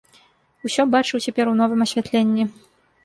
Усё бачыў цяпер у новым асвятленні.